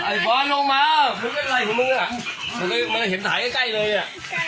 ไอ้บอลลงมามึงเป็นไรกับมึงอ่ะมึงก็เห็นถ่ายใกล้เลยอ่ะ